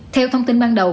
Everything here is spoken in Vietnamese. theo thông tin ban đầu